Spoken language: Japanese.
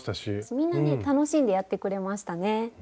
みんなね楽しんでやってくれましたね。